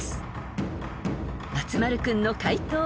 ［松丸君の解答は？］